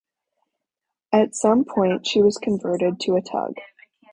At some point she was converted to a tug.